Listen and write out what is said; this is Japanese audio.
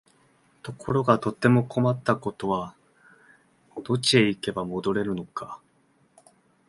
ところがどうも困ったことは、どっちへ行けば戻れるのか、